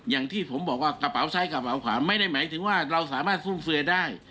อย่างที่ผมบอกว่ากระเป๋าซ้ายกระเป๋าขวาไม่ได้หมายถึงว่าเราสามารถฟุ่มเฟือได้